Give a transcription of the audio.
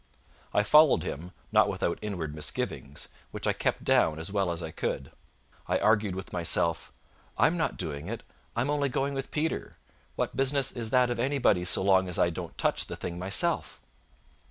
I followed him, not without inward misgivings, which I kept down as well as I could. I argued with myself, "I am not doing it; I am only going with Peter: what business is that of anybody's so long as I don't touch the thing myself?"